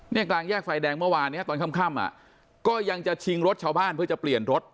กลางแยกไฟแดงเมื่อวานเนี้ยตอนค่ำอ่ะก็ยังจะชิงรถชาวบ้านเพื่อจะเปลี่ยนรถ